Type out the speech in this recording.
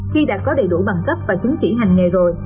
khi đã có đầy đủ bằng cấp và chứng chỉ hành nghề rồi